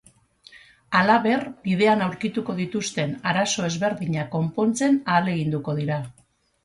Halaber, bidean aurkituko dituzten arazo ezberdinak konpontzen ahaleginduko dira.